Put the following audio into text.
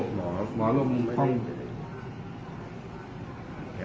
หมอหลบมุมอยู่